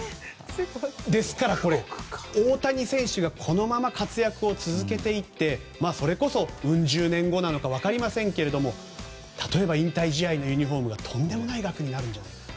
ですから、大谷選手がこのまま活躍を続けていってそれこそ、うん十年後か分かりませんが例えば引退試合のユニホームがとんでもない額になるんじゃないか。